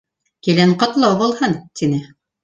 — Килен ҡотло булһын! — тине.